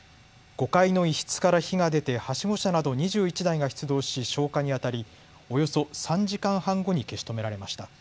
５階の一室から火が出てはしご車など２１台が出動し消火にあたり、およそ３時間半後に消し止められました。